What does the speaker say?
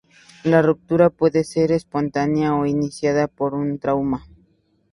La ruptura puede ser espontánea o iniciada por un trauma.